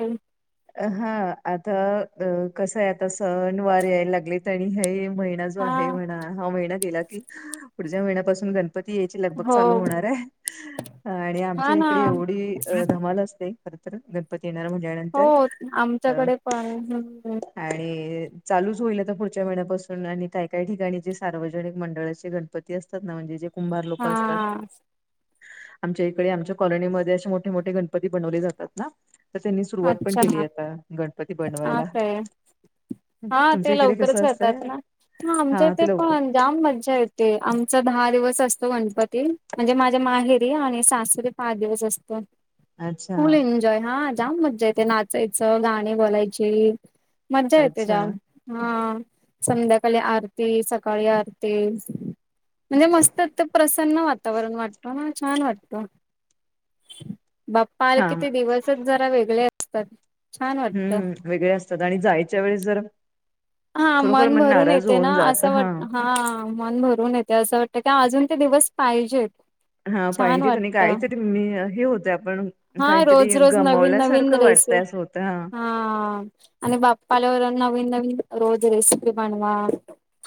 हंम [unintelligible] अहां, आता अ कसंय आता सणवार यायला लागलेत आणि हे ही महिने अजून आहे महिना, हा महिना गेला की हंअं पुढच्या महिन्यापासून गण पती यायची लगभग हो चालू होणार आहे. हंअं आणि हा आमच्या ना इकडे एवढी अ धमाल असते खरं तर गणपती येणारा म्हणल्या हो नंतर. आमच्याकडे पण हम्म आणि चालूच होईल आता पुढच्या महिन्यापासून आणि काय काय ठिकाणी जे सार्वजनिक मंडळाचे गण -पती असतात ना, म्हणजे जे कुंभार लोक हा असतात आमच्या इकडे आमच्या कॉलनीमध्ये असे मोठे मोठे गणपती बनवले जातात ना तर त्यांनी सुरुवात पण अच्छा, केली आहे आता गणपती बनवायला हां काय हां तुमच्या ते इकडे लवकरच कसं असतंय येतात ना, हा आमच्या इथे ते लवकर पण जाम मज्जा ये -ते. आमचा दहा दिवस असतो गणपती म्हणजे माझ्या माहेरी आणि सासरी पाच दिवस असतो. अच्छा फुल एन्जॉय हां जाम मज्जा येते, नाचायचं गाणी बोलायची. मज्जा येते अच्छा जाम, हां संध्याकाली आरती सकाळी आरती. म्हणजे मस्तत प्रसन्न वातावरण वाटतो ना छान वाटतो. बाप्पा आले हा की ते दिवसच जरा वेगले असतात. छान वाटतं. हम्म वेगळे असतात आणि जायच्या वेळेस जर हां खरोखर मन भरून नाराज येते ना होऊन जात अस हा वाट हांआं मन भरून येते असं वाटतं काय अजून ते दिवस पाहिजेत. हा छान पाहिजे त्यांनी वाटतं कायचं ते मी हे होतं आपण हा काहीतरी रोज रोज नवीन नवीन गमवल्यासारखं रेसे वाटतय अस होतं. हा आणि बाप्पा आल्यावर नवीन नवीन रोज रेसिपी बनवा.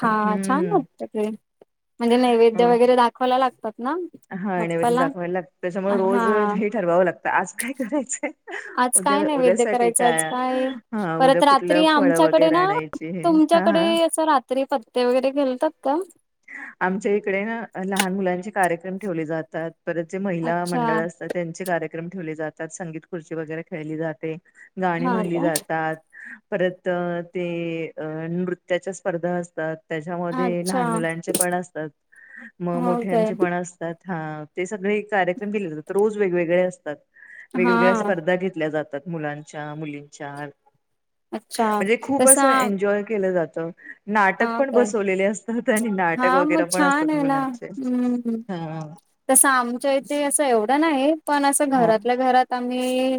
हा छान हम्म वाटत ते म्हणजे नैवेद्य अ वगैरे दाखवायला लागतात ना हा नैवेद्य बाप्पाला दाखवायला लागत त्याच्यामुळे रोज हा. हे ठरवावं लागतं आज काय करायचंय. आज उद्या काय नैवेद्य उद्यासाठी करायचं आज काय हा उद्या परत कुठलं रात्री फळं आमच्याकडे वगैरे ना आणायची हे हा तुमच्याकडे हा असं रात्री पत्ते वगैरे खेलतात का? आमच्या इकडे ना लहान मुलांचे कार्यक्रम ठेवले जातात परत जे महिला अच्छा मंडळ असतात त्यांचे कार्यक्रम ठेवले जातात. संगीत खुर्ची वगैरे खेळली जाते. गाणी हा म्हणली का जातात. परत अ ते अ नृत्याच्या स्पर्धा असतात त्याच्यामध्ये अच्छा लहान मुलां- -चे पण असतात. मग हो काय मोठ्यांच्या पण असतात. हां ते सगळे कार्यक्रम केले जातात रोज वेगवेगळे असतात. हा वेगवेगळ्या स्पर्धा घेतल्या जातात मुलांच्या मुलींच्या अच्छा म्हणजे खूप तसा असं एन्जॉय केलं जात हा नाटक पण काय बसवलेले असतात आणि हा नाटक वगैरे मग पण छान असतात आहे ना मुलांचे हम्म ह तसं आमच्या इथे असं एवढं नाही पण असं हा घरातल्या घरात आम्ही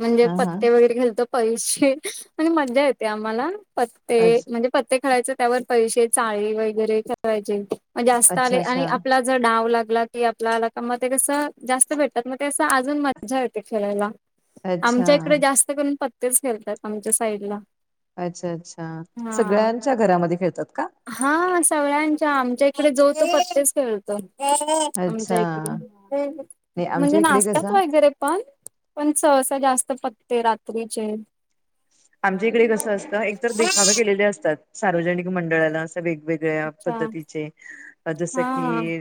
म्हणजे हा हा पत्ते वगैरे खालतो पैसे म्हणजे मज्जा येते आम्हाला पत्ते अच म्हणजे पत्ते खेळायच त्यावर पैसे चाळी वगैरे ठेवायचे जास्त अच्छा आले आणि अच्छा आपला ज डाव लागला की आपल्याला का म ते कसं जास्त भेटतात मग ते असं अजून मज्जा येते खेळायला. अच्छा आमच्या इकडे जास्त करून पत्तेच खेळतात आमच्या साईड ला अच्छा अच्छा सगळ्यांच्या घरामध्ये खेळतात का? हा सगळ्यांच्या आमच्या इकडे जो तो पत्तेच खेळतो. आमच्या अच्छा इकडे नाही म्हणजे आमच्या इकडे नाचतात कसं वगैरे पण पण सहसा जास्त पत्ते रात्रीचे आमच्या इकडे कसं असतं एकतर देखावे केलेले असतात सार्वजनिक मंडळान वेगवेगळ्या अच्छा पद्धतीचे जस हा की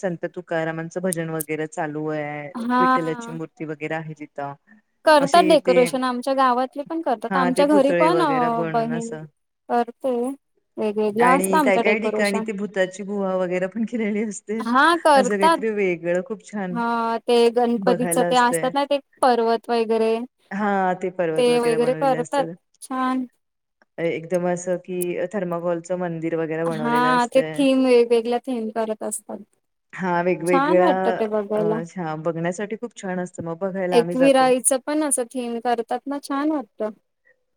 संत तुकारामांचं भजन वगैरे चालू आहे हा विठ्ठलाची मूर्ती वगैरे आहे तिथं करतात असे ते डेकोरेशन आमच्या गावात पण करतात हा ते आमच्या घरी पुतळे पण वगैरे बनून बहीण असं करते. वेगवेगळा असत आणि काय आमचं काय ठिकाणी डेकोरेशन ते भूताची गुहा वगैरे पण केलेली असते. हा असं करतात काहीतरी वेगळं खूप छान हा ते गणपतीच बघायला ते असतात असतंय. ना ते पर्वत वगैरे हा ते पर्वत वगैरे बनवले असतात. एकदम अस की थर्माकॉलचं मंदिर वगैरे बनवलेलं हा ते असतय. थीम वेगवेगळ्या थीम करत असतात हा छान वेगवेगळ्या वाटत ते बघायला अच्छा बघण्यासाठी खूप छान असतं मग बघायला आम्ही जातो. गाईचं पण असं थीम करतात ना छान होत.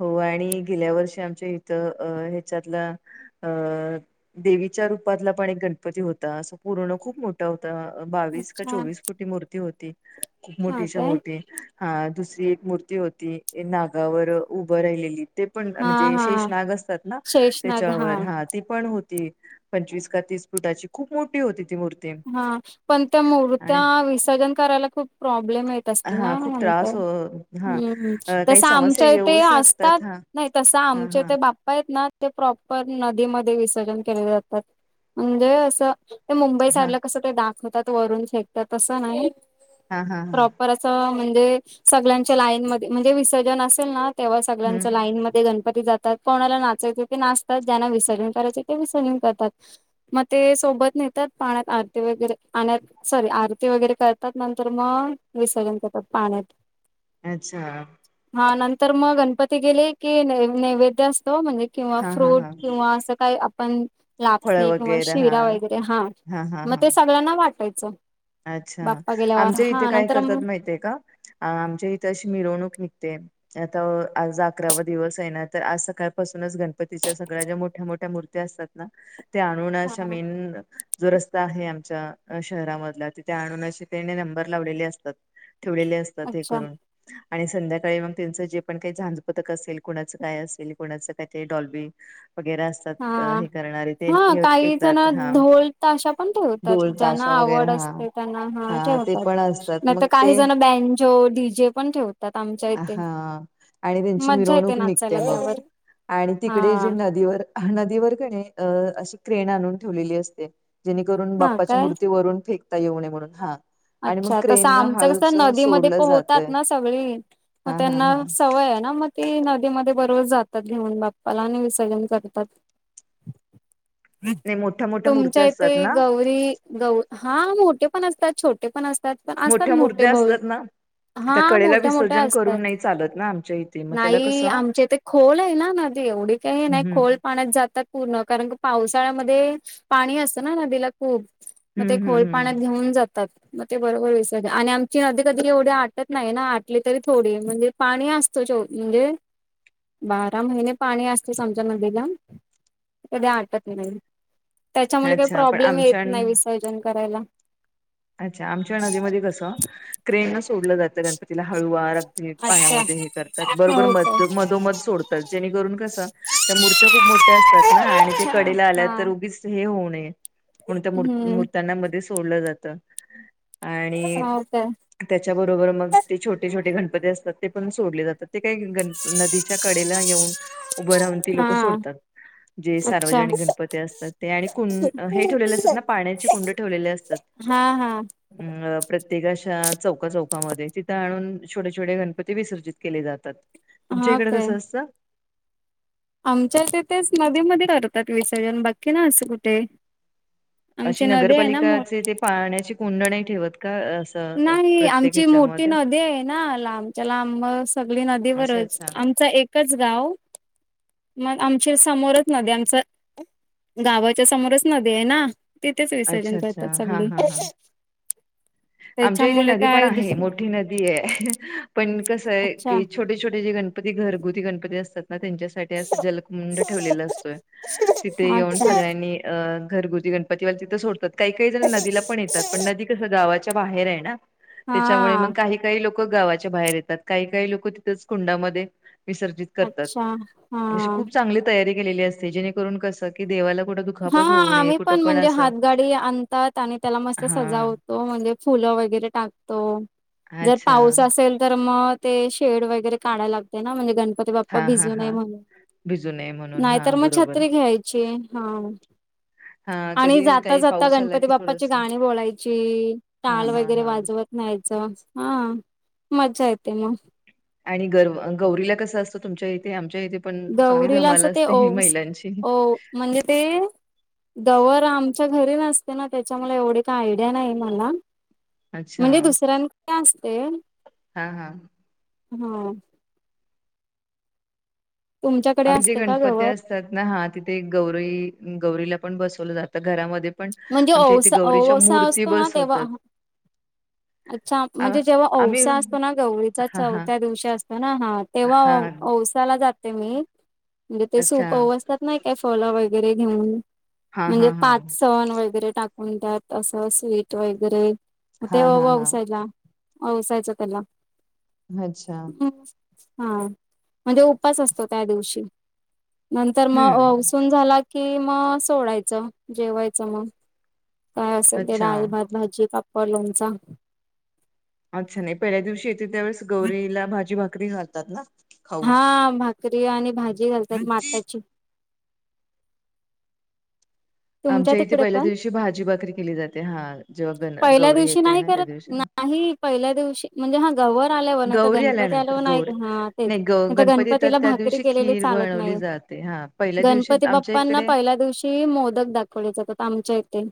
हो आणि गेल्या वर्षी आमच्या इथं अ ह्याच्यातला अ देवीच्या रूपातला पण एक गणपती होता असं पूर्ण खूप मोठ होता बावीस का छान चोवीस फुटी मूर्ती होती खूप हा मोठीच्या काय मोठी हा दुसरी एक मूर्ती होती ते नागावर उभं राहिलेली. ते पण हा म्हणजे हा शेष नाग असतात ना त्याच्यावर हा ती पण होती पंचवीस का तीस फुटाची खूप मोठी होती ती मूर्ती. हा पण त्या मूर्त्या आणि विसर्जन करायला खूप प्रॉब्लेम येत. हा ना खूप नाहीतर त्रास हो हा हम्म हम्म अ, काही तसं समस्या आमच्या येऊ इथे असतात. शकतात हा नाही तसं हा आमचे हा ते बाप्पा आहेत ना ते प्रॉपर नदीमध्ये विसर्जन केले जातात म्हणजे अस ते मुंबईसा हा ते कसं दाखवतात वरून फेकतात तसं नाही हा हा हा प्रॉपर असं च म्हणजे सगळ्यांच्या लाईन मधे म्हणजे विसर्जन असेल ना तेव्हा सगळ्यांच हम्म लाईन मधे गणपती जातात कोणाला नाचायच ते नाचतात ज्यांना विसर्जन करायचे ते विसर्जन करतात. मग ते सोबत नेतात पाण्यात आरती वगैरे पाण्यात सॉरी आरती वगैरे करतात नंतर मग विसर्जन करतात पाण्यांत. अच्छा. हा नंतर मग गणपती गेले की नैवेद्य असतो म्हणजे किंवा हा हा फ्रूट हा किंवा असं काय आपण फळ लापशी किंवा वगैरे हा शिरा वगैरे हां. हा हा मग हा ते सगळ्यांना वाटायचं‌. अच्छा आमच्या इथे काय करतात माहिती हे कां. आमच्या इथे अशी मिरवणूक निघतें. आता आज अकरावा दिवस आहे ना तर आज सकाळपासूनच गणपतीच्या सगळ्या ज्या मोठ्या, मोठ्या मूर्त्या असतांत ते आणुन अशा हा मेन जो रस्ता आहे आमच्या शहरांमधल्या तिथ आणून अशे त्याने नंबर लावलेले असतात ठेवलेले असतात हे अच्छा करून आणि संध्याकाळी मग त्यांचं जे पण काही झांजपथक असेल कुणाचं काय असेल कोुणाचं काय ते डॉल्ब वगैररा अस. हां, हां काही जण येतात हा ढोल ताशा पण ठेवतात डोल ज्यांना ताशा वगैरे आवड हा असतें. त्यांना हा ते ठेवतात. पण असतात नाही मग तर काही जण बँनजो डीजे पण ठेवतात. आमच्या इथे हां आणि त्यांची मज्जा येते मिरवणूक नाचायला निघते मगं. त्यावर आणि तिकडे जे हा नदीवर, नदीवर कणे अं अशी क्रेन आणून ठेवलेली असतें. जेणेकरून, हा बाप्पाच्या काय मूर्ती वरून फेकता येऊ नये म्हणून हां. अच्छा तसं आमचं कसं नदीमध्ये सोडलं पोहतात जातय ना सगळी मग हा हा त्यांना हा सवय आहे ना मगं. ते नदीमध्ये बरोबर जातात घेऊन बाप्पाला आणि विसर्जन करतात. नाही मोठ्या मोठ्या मूर्ती तुमच्या असतात इथे ना गौरी. गौ, हा मोठे पण असतांत छोटे पण असतांत. पण असतांत मोठ्या मोठे मूर्त्या भर. असतात ना त्या हां कडेला मोठ्या मोठ्या विसर्जन असतात करून नाही चालत ना आमच्या इथे मग त्याला नाहीं कसं आमच्या इथे खोल आहे ना नदी एवढी काही हम्म नाही खोल हम्म पाण्यांत जातात. पूर्ण, कारण पावसाळ्यामध्ये पाणी असतं ना नदीला खुप. खूप, मगं ते हम्म खोल हम्म पाण्यात हम्म. घेऊन जातात. मग ते बरोबर विसरते आणि आमची नदी कधी एवढी आटत नाही ना आटली तरी थोडी. म्हणजे पाणी असतो चो, म्हणजे बारा महिने पाणी असतंच आमच्या नदीला. कधी आटत नाही त्याच्यामुळे काही अच्छा पण प्रॉब्लेम आमच्या येतं नाही विसर्जन करायला. अच्छा, आमच्या नदीमध्ये कसं क्रेन सोडलं जातं. गण तिला हळूवार अगदी अच्छा पाण्यामध्ये हे करतात बरोबर हो का मधो, मधोमध सोडतात जेणेकरून कसं. त्या मूर्त्या खूप मोठ्या असतात ना, आणि ते अच्छा कडेला आल्यात हा तर उगीच. ते हे होऊ नये म्हणून त्या मुर्ता हम्म मूर्ताना मध्ये सोडलं जातं. आणि हो का त्याच्याबरोबर मग ते छोटे छोटे गणपती असतात ते पण सोडले जातात. ते काही गण नदीच्या कडेला येऊन उभं राहून ती लोक हा सोडतात. जे अच्छा सार्वजनिक गणपती असतात ते आणि कुंण हे ठेवलेले असतात ना पाण्याचे कुंड ठेवलेले असतांत. हां हां. अं, प्रत्येक अशा चौका चौकामध्ये तिथं आणून छोटे छोटे गणपती विसर्जित केले जातात. तुमच्या हा इकडं काय कसं असतं. आमच्या येथेच नदीमध्ये करतात विसर्जन, बाकी ना असं कुठे. अशी आमची नदी आहे ना मो नगरपालिकाचे ते पाण्याची कुंड नाही ठेवत कां. असं अ, नाही प्रत्येक आमची मोठी ह्याच्यामध्ये? नदी आहे ना लांबच्या लांब मगं सगळी अच्छा नदीवरच. अच्छा. आमचा एक कचगावं. मग आमच्या समोरच नद्यांच, गावाच्या समोरच नदी आहे ना. तिथेच विसर्जन अच्छा अच्छा करतात हा सगळी‌. हा हा. आमच्या इथे नदी पण काय दुस आहे मोठी नदी आहे. पण कसं हाय अच्छा की, छोटे छोटे जे गणपती घरगुती गणपती असतात ना त्यांच्यासा तिथं असं जलकुंड ठेवलेलं असतोय तिथे येऊन अच्छा सगळ्यांनी. घरगुती गणपतीवाले तिथं सोडतात काही काही जणं नदीला पण येतात पण नदी कसं गावाच्या बाहेर आहेना त्याच्यामूळे हा मग काही काही लोक गावाच्या बाहेर येतात काही काही लोक तिथंच खुंडामध्ये विसर्जित. ात अच्छा हा खूप चांगली तयारी केलेली असते जेणेकरून क सदेवाला कठ हा आम्ही पण म्हणजे हातगाडी आणतात आणि त्याला मस्त हां. सजावत. तो म्हणजे फुलं वगैरे टाकतो जर अच्छा. पाऊस असेल तर मग. ते शेड वगैरे काढयला लागते ना म्हणजे ग. गणपती बाप्पा हां, हां, भिजू हां. नयेत म्हणून भिजू नये म्हणून नाही हा तर मग बरोबर. छात्री घ्या याची हा हा आणि कधी जाता काही जाता पाऊस आला गणपती की बाप्पाची थोडस गाणी बोलायची हा टाल हा वगैरे हा. वाजवत. नाहीच हा मज्जा येते मग आणि गर्व गौरीला कसं असतं तुमच्या इथे आमच्या इथे पण चांगली गौरीला धमाला असं ते असते. ओवस महिलांची ओ म्हणजे ते, गवर आमच्या घरी नसते ना त्याच्यामुळे एवढी काय आयडिया नाही मला अच्छा म्हणजे दुसऱ्यां कडे असते हा हा हा तुमच्याकडे आम् जे असते का गणपती गवर असतात ना हा तिथे गौरीई गौरीला पण बसवलं जातं घरामध्ये पण म्हणजे आमच्या इथे ओवसा गौरीच्या ओवसा मूर्ती असतो ना तेव्हा बसवतात. [unintelligible] अच्छा आ म्हणजे जेव्हा आम्ही औसा असतो ना गौरीचा हा हा चौथ्या दिवशी असतो ना हा तेव्हा हा औसा जाते मी म्हणजे ते सूप अच्छा. ववसतात नाही काय फलं वगैरे घेऊन, हा म्हणजे हा हा पाच सण वगैरे टाकून द्यात असं स्वीट वगैरे, मग हा ते हा हा ववसायला ववसायच त्याला अच्छा ह् हा म्हणजे उपास असतो त्या दिवशी नंतर मग हम्म ऊन झाला की मग सोडायचं. जेवायचं मग काय असेल ते अच्छा. डाल, भात, भाजी, पापड, लोणचा आमच नाही पहिल्या दिवशी येते त्यावेेळेस गौरीला भाजी भाकरी घालतात ना, खाऊ हा भाकरी आणि भाजी घालतात. माटची तुमच्या आमच्या इथे तिकडे पहिल्या पण दिवशी भाजी भाकरी केली जाते हा जेव्हा गन पहिल्या गौरी दिवशी येते नाही ना त्या करत दिवशी, नाही पहिल्या दिवशी म्हणजे ह गवर आल्यावर नाही तर गौरी गणपती आल्यानंतर आल्यावर नाही गौरी हा तेच ग नाही तर गणपती येतात गणपतीला त्या भाकरी दिवशी केलेली खीर चालत बनवली नाही. जाते हा पहिल्या दिवशी गणपती आमच्या बाप्पांना इकडे पहिल्या दिवशी मोदक दाखवले जातात. आमच्या इथे,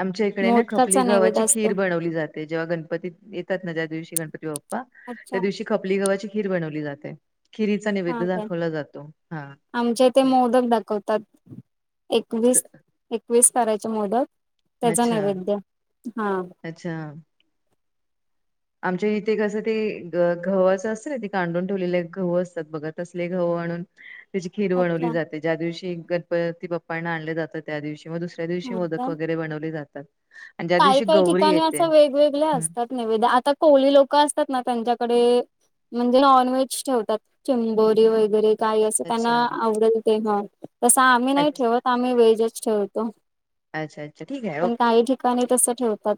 आमच्या इकडे ना खपली मोदकाचा नैवेद गावाची असतो खीर बनवली जाते, जेव्हा गणपती येतात ना ज्या दिवशी गणपती बाप्पा अच्छा त्या दिवशी खपली गव्हाची खीर बनवली जाते. खिरीचा हा नैवेद्य काय दाखवला जातो हा आमच्या इथे मोदक दाखवतात. एकवीस त- एकवीस करायचे मोदक त्याचा अच्छा नैवेद्य हा अच्छा आमच्या इथे कसं ते गव्हावाचं असतं ना ते कांडून ठेवलेले गव्ह असतात बघत, तसले गहू आणून, त्याची खीर बनवली अच्छा जाते, ज्या दिवशी गणपती बाप्पांना आणले जातं त्या दिवशी मग दुस दिवशी हा का मोदक वगैरे बनवले जातात. आणि ज्या काही दिवशी काही गौरी ठिकाणी येते असं वेगवेगळे हम्म. असतात नैवेद्य आता कोळी लोक असतात ना त्यांच्याकडे म्हणजे नॉन व्हेज ठेवतात चिंबोरी वगैरे, काय असं त्यांना अच्छा आवडेल ते ह तसं आम्ही नाही अच्छा ठेवत आम्ही व्हेजच ठेवतो. अच्छ अच्छा ठीक ओेके कणी तस ठेवतात.